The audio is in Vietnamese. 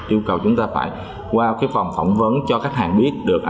yêu cầu chúng ta phải qua phòng phỏng vấn cho khách hàng biết được